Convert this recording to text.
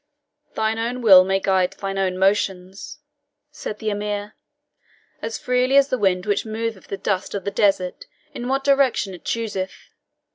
"Thine own will may guide thine own motions," said the Emir, "as freely as the wind which moveth the dust of the desert in what direction it chooseth.